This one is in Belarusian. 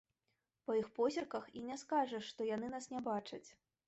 Па іх позірках і не скажаш, што яны нас не бачаць.